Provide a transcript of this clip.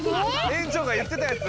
えんちょうがいってたやつ！